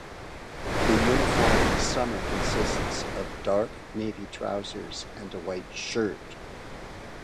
The uniform in summer consists of dark navy trousers, and a white shirt.